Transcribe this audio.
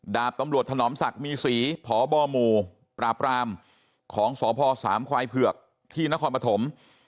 ดาบตำรวจถนอมศักดิ์มีศรีพบหมู่ปราบรามของสพสามควายเผือกที่นครปฐม